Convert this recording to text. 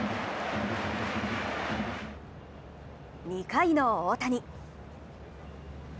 ２回の大谷。